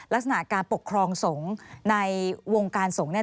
ลักษณะการปกครองสงฆ์ในวงการสงฆ์เนี่ย